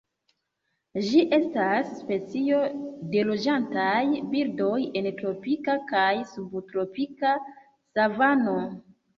Ĝi estas specio de loĝantaj birdoj en tropika kaj subtropika savano.